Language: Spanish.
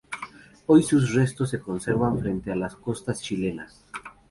Hoy sus restos se conservan frente a las costas chilenas.